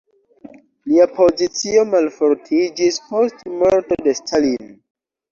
Lia pozicio malfortiĝis post morto de Stalin.